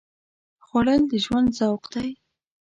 خوړل د ژوند ذوق دی